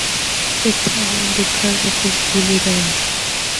اِتھا ہونڑ دکھنڑا کو کجھ بھی نیں رہیا۔